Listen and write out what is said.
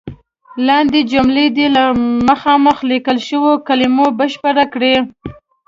لاندې جملې دې له مخامخ لیکل شوو کلمو بشپړې کړئ.